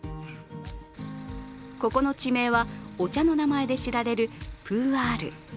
ここの地名は、お茶の名前で知られるプーアール。